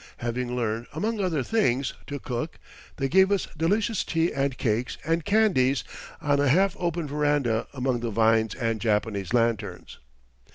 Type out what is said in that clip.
Having learned, among other things, to cook, they gave us delicious tea and cakes and candies on a half open veranda among the vines and Japanese lanterns.